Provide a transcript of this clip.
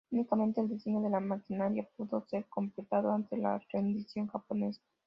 Únicamente el diseño de la maquinaria pudo ser completado antes de la rendición japonesa.